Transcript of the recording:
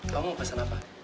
kamu mau pesan apa